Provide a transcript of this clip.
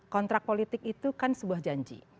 kalau kita terbuka